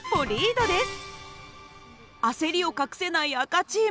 焦りを隠せない赤チーム。